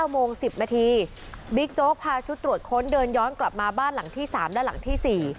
๙โมง๑๐นาทีบิ๊กโจ๊กพาชุดตรวจค้นเดินย้อนกลับมาบ้านหลังที่๓และหลังที่๔